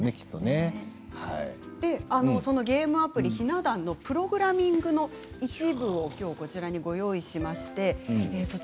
ゲームアプリの「ひなだん」のプログラミングの一部をこちらに用意しています。